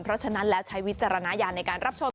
เพราะฉะนั้นแล้วใช้วิจารณญาณในการรับชม